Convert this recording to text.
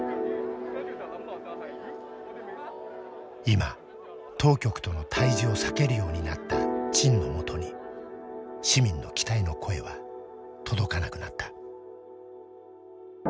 今当局との対じを避けるようになった陳のもとに市民の期待の声は届かなくなった。